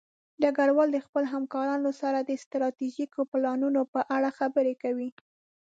ډګروال د خپلو همکارانو سره د ستراتیژیکو پلانونو په اړه خبرې کوي.